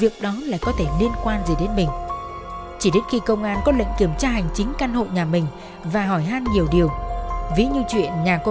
có đến đấy